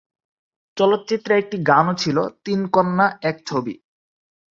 চলচ্চিত্রে একটি গানও ছিল "তিন কন্যা এক ছবি"।